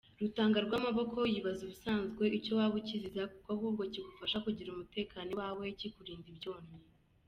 Rutangarwamaboko yibaza ubusanzwe icyo waba ukiziza, kuko ahubwo kigufasha kugira umutekano iwawe kikurinda ibyonnyi.